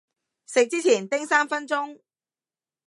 食之前叮三分鐘